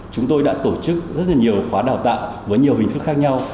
chúng tôi đã tổ chức rất là nhiều khóa đào tạo với nhiều hình thức khác nhau